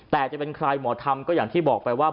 แต่จะเป็นใครหมอทำก็อย่างที่บอกไปว่า